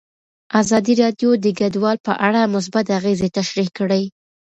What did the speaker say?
ازادي راډیو د کډوال په اړه مثبت اغېزې تشریح کړي.